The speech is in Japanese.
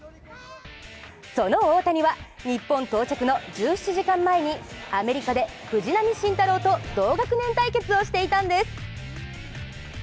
その大谷は日本到着の１７時間前にアメリカで、藤浪晋太郎と同学年対決をしていたんです。